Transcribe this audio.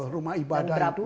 rumah ibadah itu